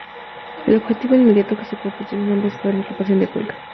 El objetivo inmediato que se propusieron ambos fue la ocupación de Cuenca.